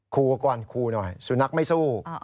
คูกว่าก่อนคูกว่าน้อยสุนัขไม่สู้